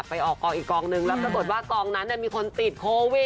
ไปออกกองอีกกองนึงแล้วปรากฏว่ากองนั้นมีคนติดโควิด